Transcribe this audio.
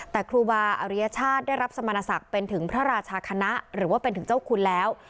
แต่ครูบาอริยชาติได้รับสมณศักดิ์เป็นถึงพระราชาคณะหรือว่าเป็นถึงเจ้าคุณแล้ว